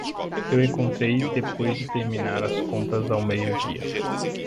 Eu encontrei depois de terminar as compras ao meio-dia.